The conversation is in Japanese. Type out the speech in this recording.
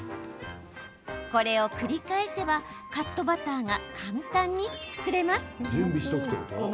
これを繰り返せばカットバターが簡単に作れます。